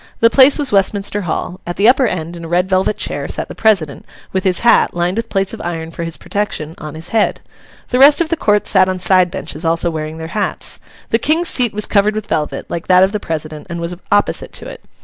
The place was Westminster Hall. At the upper end, in a red velvet chair, sat the president, with his hat (lined with plates of iron for his protection) on his head. The rest of the Court sat on side benches, also wearing their hats. The King's seat was covered with velvet, like that of the president, and was opposite to it.